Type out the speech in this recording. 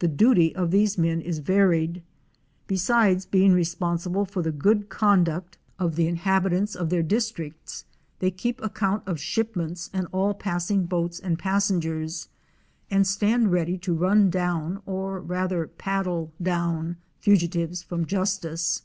The duty of these men is varied. Besides being responsible for the good conduct of the inhabitants of their 240 OUR SEARCH FOR A WILDERNESS. districts, they keep account of shipments and all passing boats and passengers, and stand ready to run down, or rather paddle down, fugitives from justice.